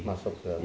masuk ke dalam